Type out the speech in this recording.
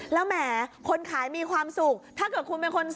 แล้วแหมคนขายมีความสุขถ้าเกิดคุณเป็นคน